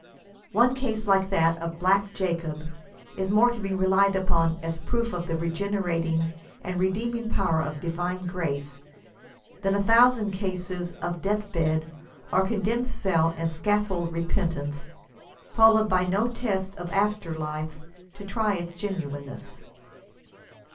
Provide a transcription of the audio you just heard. One case like that of " black Jacob" is more to be relied upon asproof of the regene rating and redeeming power of divine grace, than a thousand cases of death bed, or condemned cell and scaffold repentance, followed by no test of after life to try its genuineness.